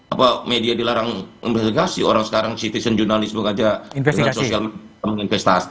apa media dilarang membebaskan orang sekarang citizen jurnalisme gajah investasi investasi